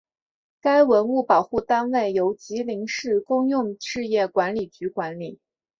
该文物保护单位由吉林市公用事业管理局管理。